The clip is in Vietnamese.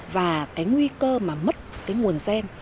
và nguy cơ mất nguồn gen